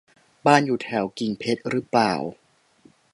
บ้านอยู่แถวกิ่งเพชรรึเปล่า